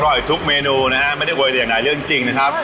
อร่อยทุกเมนูนะฮะไม่ได้โหว่อย่างไรเรื่องจริงนะครับ